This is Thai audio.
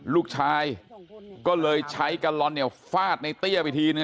ลูกชายก็เลยใช้กะลอนเนี่ยฟาดในเตี้ยไปทีนึง